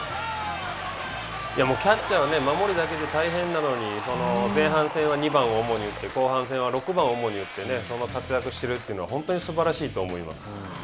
キャッチャーは守るだけで大変なのに前半戦は２番を主に打って後半戦は、６番を主に打って活躍しているというのは本当にすばらしいと思います。